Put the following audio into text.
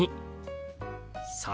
「３」。